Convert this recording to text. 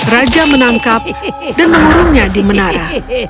raja menangkap dan mengurungnya di menara